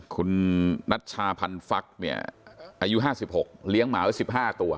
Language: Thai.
คุณนัชชาพันฟรรคเนี่ยอายุห้าสิบหกเลี้ยงหมาอยู่สิบห้าตัว